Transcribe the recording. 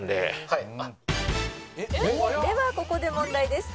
「ではここで問題です」